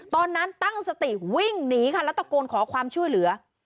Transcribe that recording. ตอนนั้นตั้งสติวิ่งหนีค่ะแล้วตะโกนขอความช่วยเหลือ